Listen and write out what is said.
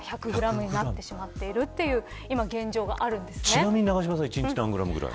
ちなみに永島さんは一日何グラムぐらい。